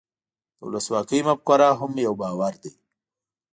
د ولسواکۍ مفکوره هم یو باور دی.